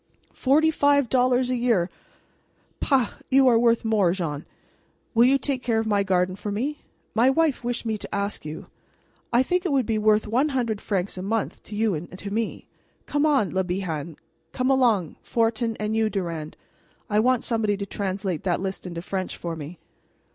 "Forty five dollars a year," I said. "Bah! you are worth more, Jean. Will you take care of my garden for me? My wife wished me to ask you. I think it would be worth one hundred francs a month to you and to me. Come on, Le Bihan come along, Fortin and you, Durand. I want somebody to translate that list into French for me."